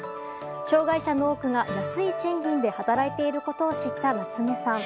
障害者の多くが、安い賃金で働いていることを知った夏目さん。